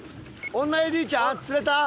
女ＡＤちゃん釣れた？